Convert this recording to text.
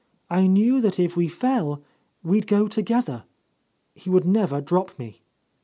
I knew that if we fell. A Lost Lady we'd go together; he would never drop me."